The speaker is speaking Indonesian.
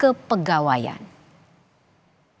kepala badan kepegawaian dan pengembangan sumber tenggara terungkap